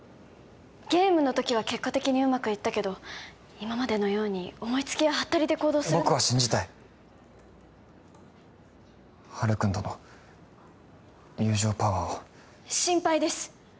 ゲームの時は結果的にうまくいったけど今までのように思いつきやハッタリで行動するのは僕は信じたいハルくんとの友情パワーを心配です